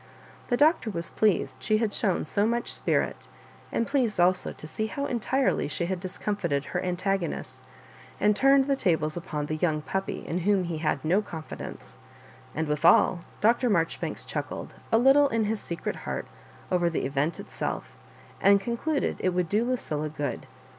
The Doctor was pleased she had shown so much spirit, and pleased als(^o see how entirely she had discomfited her antagonists, and turned the tables upon the " young puppy," in whom he had no confidence ; and withal Dr. Marjoribanks chuckled a little in his secret heart over the event itselfj and concluded that it would do Lucilla good.